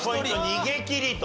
逃げきりと。